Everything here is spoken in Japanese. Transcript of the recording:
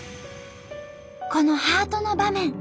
このハートの場面。